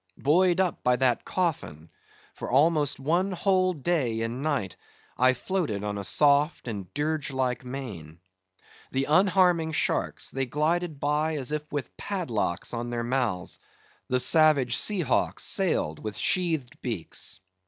Buoyed up by that coffin, for almost one whole day and night, I floated on a soft and dirgelike main. The unharming sharks, they glided by as if with padlocks on their mouths; the savage sea hawks sailed with sheathed beaks.